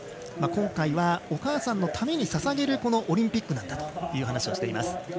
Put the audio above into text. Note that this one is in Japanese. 今回はお母さんのためにささげるオリンピックなんだと話しています。